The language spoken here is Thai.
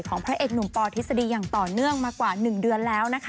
พระเอกหนุ่มปทฤษฎีอย่างต่อเนื่องมากว่า๑เดือนแล้วนะคะ